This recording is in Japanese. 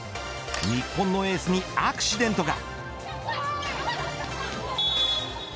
日本のエースにアクシデントが。